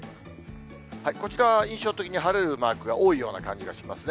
こちらは印象的に晴れるマークが多いような感じがしますね。